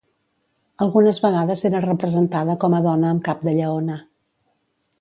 Algunes vegades era representada com a dona amb cap de lleona.